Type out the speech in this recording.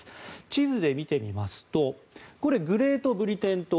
地図で見てみますとグレートブリテン島